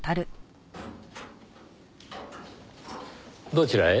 どちらへ？